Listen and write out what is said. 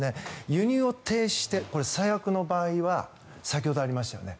輸入を停止してこれ、最悪の場合は先ほどありましたよね